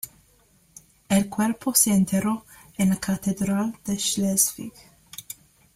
El cuerpo se enterró en la catedral de Schleswig.